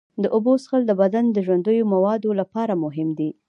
د اوبو څښل د بدن د ژوندیو موادو لپاره مهم دي.